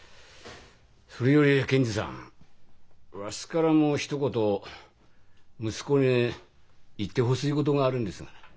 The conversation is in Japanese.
それより検事さんわしからもひと言息子に言ってほしいことがあるんですが。